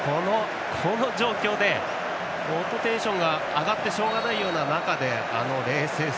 この状況で、本当にテンションが上がってしょうがないような中であの冷静さ。